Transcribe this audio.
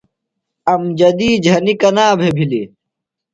امجدی جھنیۡ کنا بھے بِھلیۡ؟